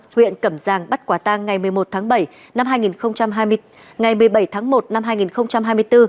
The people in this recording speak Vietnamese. huyện cầm giang bắt quả tàng ngày một mươi một tháng bảy năm hai nghìn hai mươi ngày một mươi bảy tháng một năm hai nghìn hai mươi bốn